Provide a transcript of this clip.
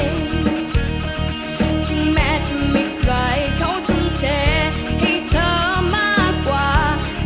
ที่แม้เธอมีใครเขาทุนเทให้เธอมากกว่า